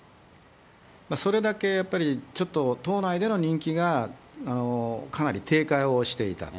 それだけやっぱりちょっと党内での人気がかなり低下をしていたと。